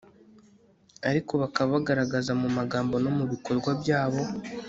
ariko bakaba bagaragaza mu magambo no mu bikorwa byabo